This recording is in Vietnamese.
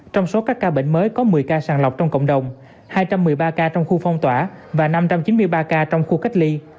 trong số các ca bệnh mới có một mươi ca sàng lọc trong cộng đồng hai trăm một mươi ba ca trong khu phong tỏa và năm trăm chín mươi ba ca trong khu cách ly